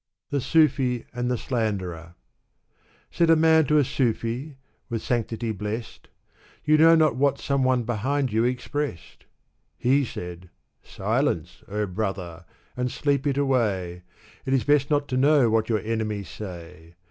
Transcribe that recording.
The Sufi and the Slanderer. Said a man to a Sufi, with sanctity blest, " You know not what some one behind you expressed." He said, " Silence I O brother ! and sleep it away ! It is best not to know what your enemies say